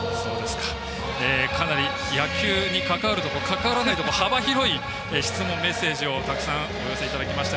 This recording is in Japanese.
かなり野球に関わるところ関わらないこと、幅広い質問メッセージをたくさんお寄せいただきました。